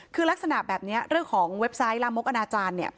คือลักษณะแบบนี้เรื่องของเว็บไซต์ลามกอนาจารย์